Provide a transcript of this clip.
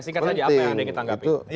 singkat saja apa yang anda yang kita anggapin